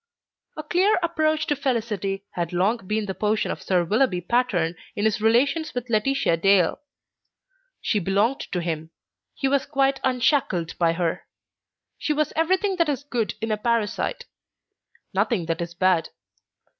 A clear approach to felicity had long been the portion of Sir Willoughby Patterne in his relations with Laetitia Dale. She belonged to him; he was quite unshackled by her. She was everything that is good in a parasite, nothing that is bad.